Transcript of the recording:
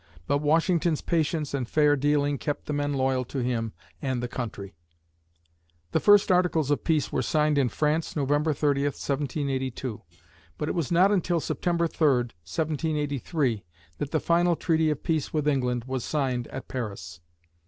But Washington's patience and fair dealing kept the men loyal to him and the country. The first articles of peace were signed in France, November 30, 1782, but it was not until September 3, 1783, that the final treaty of peace with England was signed at Paris.